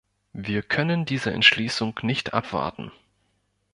Wir können diese Entschließung nicht abwarten.